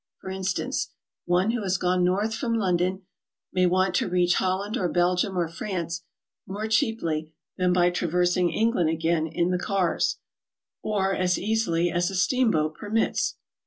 For instance, one who has gone north from London may want to reach Holland or Belgium or France more cheaply than by traversing England again in the cars, or as easily as a steamboat permits.